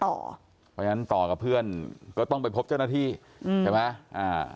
เพราะฉะนั้นต่อกับเพื่อนก็ต้องไปพบเจ้าหน้าที่ใช่ไหมอ่า